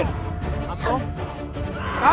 atau atau hanya